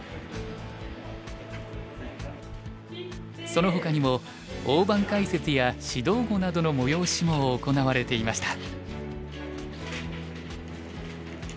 そのほかにも大盤解説や指導碁などの催しも行われていました。